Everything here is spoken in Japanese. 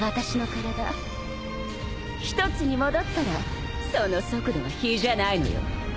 一つに戻ったらその速度は比じゃないのよ